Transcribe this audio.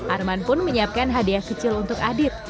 arman pun menyiapkan hadiah kecil untuk adit